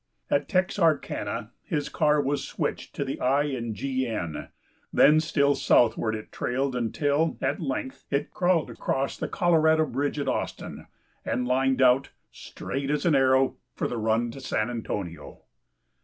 At Texarkana his car was switched to the I. and G. N. Then still southward it trailed until, at length, it crawled across the Colorado bridge at Austin, and lined out, straight as an arrow, for the run to San Antonio.